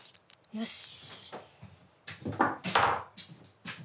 よし。